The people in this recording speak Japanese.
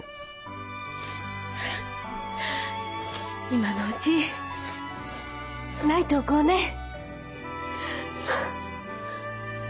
今のうち泣いておこうねえ。